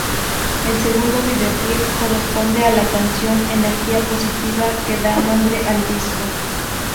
El segundo videoclip corresponde a la canción "Energía positiva", que da nombre al disco.